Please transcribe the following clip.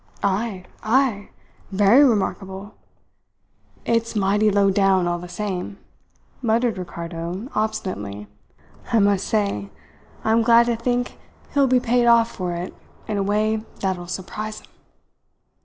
"Ay, ay! Very remarkable. It's mighty low down, all the same," muttered, Ricardo obstinately. "I must say I am glad to think he will be paid off for it in a way that'll surprise him!"